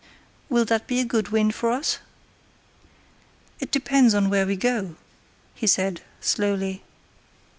"Will that be a good wind for us?" "It depends where we go," he said, slowly.